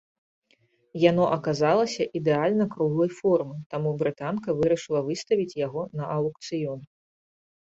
Яно аказалася ідэальна круглай формы, таму брытанка вырашыла выставіць яго на аўкцыён.